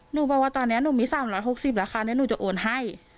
หนูบอกว่าตอนเนี้ยหนูมีสามร้อยหกสิบราคาเนี้ยหนูจะโอนให้